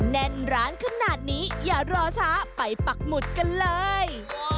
แน่นร้านขนาดนี้อย่ารอช้าไปปักหมุดกันเลย